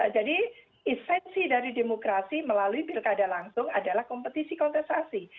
jadi isensi dari demokrasi melalui bilkada langsung adalah kompetisi kontestasi